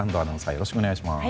よろしくお願いします。